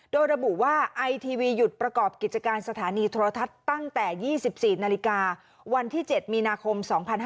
โดยระบุว่าไอทีวีหยุดประกอบกิจการสถานีโทรทัศน์ตั้งแต่๒๔นาฬิกาวันที่๗มีนาคม๒๕๕๙